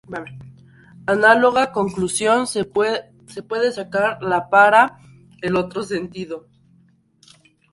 Análoga conclusión se puede sacar la para el otro sentido.